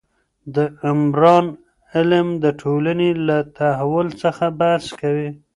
د عمران علم د ټولنې له تحول څخه بحث کوي.